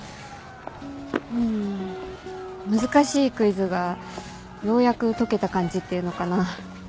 うん難しいクイズがようやく解けた感じっていうのかな。